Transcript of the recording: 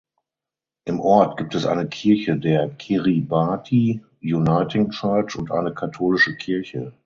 Im Ort gibt es eine Kirche der Kiribati Uniting Church und eine katholische Kirche.